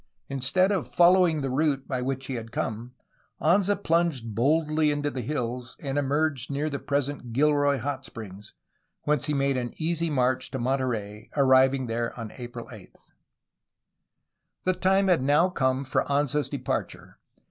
Instead of following the route by which he had come, Anza plunged boldly into the hills, and emerged near the present Gilroy Hot Springs, whence he made an easy march to Monterey, arriving there on April 8. The time had now come for Anza's departure.